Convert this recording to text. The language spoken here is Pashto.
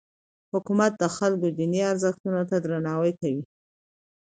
حکومت د خلکو دیني ارزښتونو ته درناوی کوي.